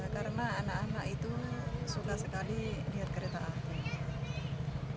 karena anak anak itu suka sekali lihat kereta api